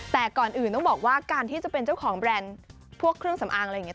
แต่ก่อนอื่นต้องบอกว่าการที่จะเป็นเจ้าของแบรนด์พวกเครื่องสำอางอะไรอย่างนี้